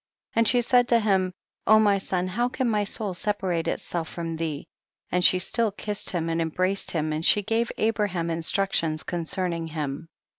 9. And she said to him, O my son how can my soul separate itself from thee ? And she still kissed him and embraced him, and she gave Abra ham instructions concerning him.